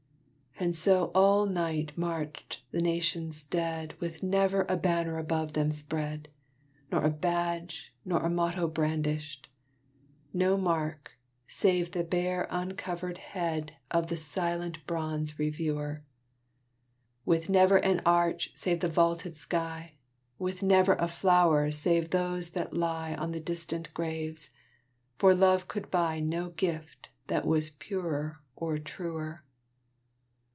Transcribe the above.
And so all night marched the Nation's dead, With never a banner above them spread, Nor a badge, nor a motto brandishèd; No mark save the bare uncovered head Of the silent bronze Reviewer; With never an arch save the vaulted sky; With never a flower save those that lie On the distant graves for love could buy No gift that was purer or truer.